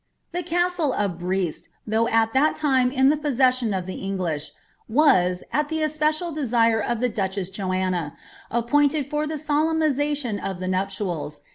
"The caslle of Brest, ihoi^ al dM lime in the jiossession of the English, was, at the especial desire at ilM duchess Joanna, appointed for the solemnisation of the nupu»l«.